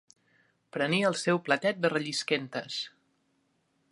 Prenia el seu platet de rellisquentes